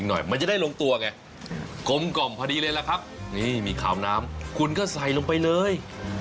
นี้นี่ข้าวน้ำคุณก็ใส่ลงไปเลย